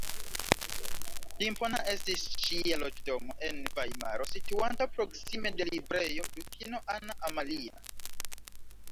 Impona estis ŝia loĝdomo en Vajmaro, situanta proksime de la Librejo Dukino Anna Amalia.